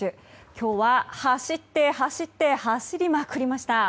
今日は走って走って走りまくりました。